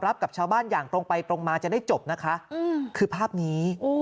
กับชาวบ้านอย่างตรงไปตรงมาจะได้จบนะคะคือภาพนี้